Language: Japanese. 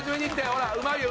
ほらうまいよ。